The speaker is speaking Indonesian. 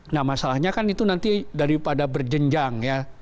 nah masalahnya kan itu nanti daripada berjenjang ya